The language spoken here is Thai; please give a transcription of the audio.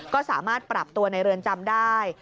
ก็สามารถปรับตัวในเรือนจำได้